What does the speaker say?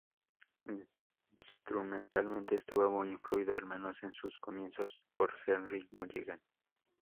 Instrumentalmente, estuvo muy influido, al menos en sus comienzos, por Gerry Mulligan.